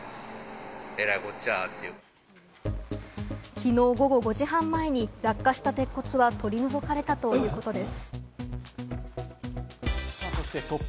昨日、午後５時半前に落下した鉄骨は取り除かれたということです。